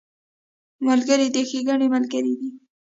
ملګری د ښېګڼې ملګری دی